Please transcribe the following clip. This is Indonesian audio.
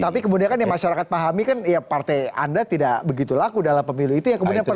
tapi kemudian kan yang masyarakat pahami kan ya partai anda tidak begitu laku dalam pemilu itu yang kemudian perlu